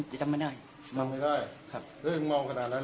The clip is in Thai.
ก็ยังเมาขนาดนั้นเลยเหรอ